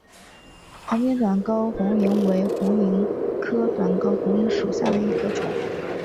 黄边短沟红萤为红萤科短沟红萤属下的一个种。